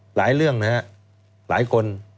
หลายเรื่องนะครับหลายคน